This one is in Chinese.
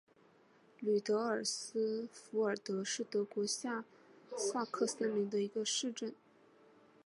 吕德尔斯费尔德是德国下萨克森州的一个市镇。